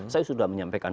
saya sudah menyampaikan